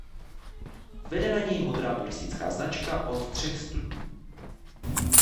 Vede na něj modrá turistická značka od Třech Studní.